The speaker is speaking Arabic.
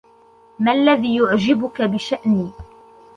ما الذي يعجبك بشأني ؟